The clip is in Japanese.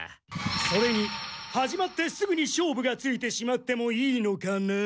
それに始まってすぐに勝負がついてしまってもいいのかな？